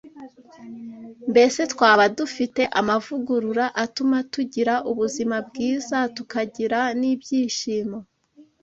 Mbese twaba dufite amavugurura atuma tugira ubuzima bwiza tukagira n’ibyishimo?